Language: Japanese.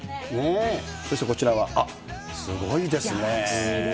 そしてこちらは、すごいですね。